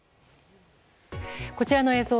こちらの映像